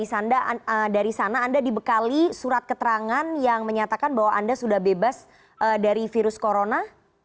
jadi dari sana anda dibekali surat keterangan yang menyatakan bahwa anda sudah bebas dari virus corona